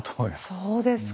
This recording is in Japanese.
そうですか。